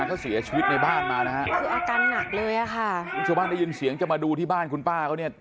เขาเสียชีวิตในบ้านมานะฮะคืออาการหนักเลยอ่ะค่ะนี่ชาวบ้านได้ยินเสียงจะมาดูที่บ้านคุณป้าเขาเนี่ย